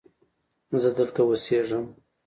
زه دلته اوسیږم.